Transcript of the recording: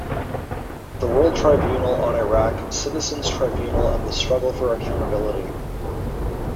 'The World Tribunal on Iraq: Citizens' Tribunals and the Struggle for Accountability'.